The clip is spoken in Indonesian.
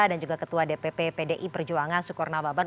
dan juga ketua dpp pdi perjuangan sukur nababan